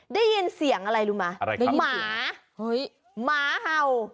ได้ยินเสียงอะไรรู้มั้ยหมาเห่ยหมาเห่า